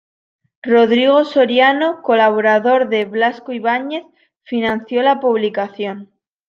Rodrigo Soriano, colaborador de Blasco Ibáñez, financió la publicación.